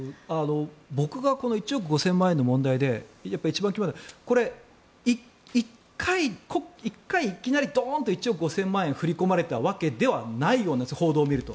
僕が１億５０００万円の問題で一番気になるのが一回、いきなりドーンと１億５０００万円振り込まれたわけではないですよね、報道を見ると。